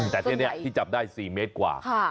แต่ที่นี่ที่จับได้๔เมตรกว่า